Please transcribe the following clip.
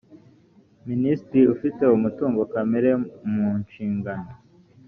minisitiri ufite umutungo kamere munshingano